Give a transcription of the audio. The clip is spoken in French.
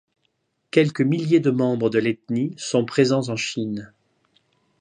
Quelques milliers de membres de l'ethnie sont présents en Chine.